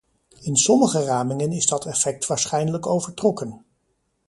In sommige ramingen is dat effect waarschijnlijk overtrokken.